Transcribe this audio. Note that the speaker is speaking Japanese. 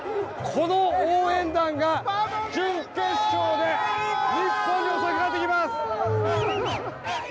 この応援団が準決勝で日本に襲いかかってきます。